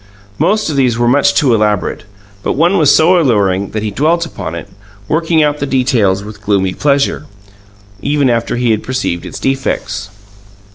Most of these were much too elaborate; but one was so alluring that he dwelt upon it, working out the details with gloomy pleasure, even after he had perceived its defects.